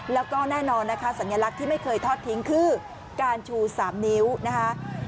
แล้วก็แน่นอนนะคะสัญลักษณ์ที่ไม่เคยทอดทิ้งคือการชู๓นิ้วนะคะ